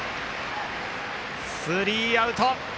スリーアウト。